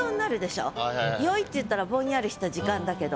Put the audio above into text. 「宵」って言ったらぼんやりした時間だけど。